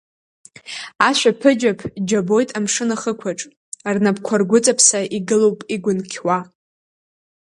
Ашәаԥыџьаԥ џьабоит амшын ахықәаҿ, рнапқәа ргәыҵаԥса игылоуп игәынқьуа.